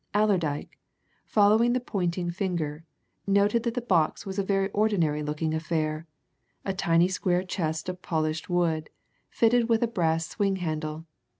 Allerdyke, following the pointing finger, noted that the box was a very ordinary looking affair a tiny square chest of polished wood, fitted with a brass swing handle.